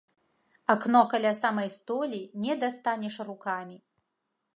Акно каля самай столі, не дастанеш рукамі.